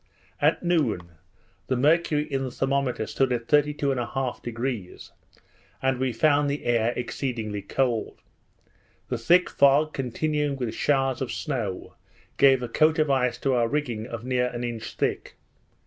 At noon, the mercury in the thermometer stood at 32 1/2, and we found the air exceedingly cold. The thick fog continuing with showers of snow, gave a coat of ice to our rigging of near an inch thick.